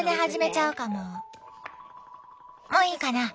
もういいかな？